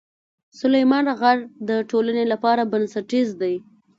سلیمان غر د ټولنې لپاره بنسټیز دی.